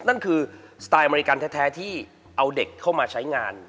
นั่นคือสไตล์อเมริกันแท้ที่เอาเด็กเข้ามาใช้งาน